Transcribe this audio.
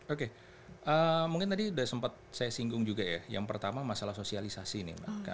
oke mungkin tadi sudah sempat saya singgung juga ya yang pertama masalah sosialisasi nih mbak